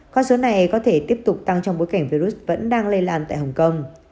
con số này có thể tiếp tục tăng trong bối cảnh virus vẫn đang lây lan tại hồng kông